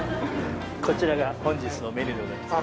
こちらが本日のメニューでございます。